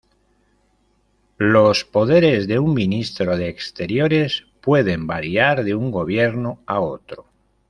Los poderes de un ministro de Exteriores pueden variar de un gobierno a otro.